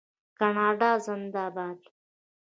کاناډا زنده باد.